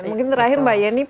mungkin terakhir mbak yeni